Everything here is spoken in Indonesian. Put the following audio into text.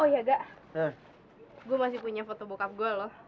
oh ya gak gue masih punya foto bokap gue loh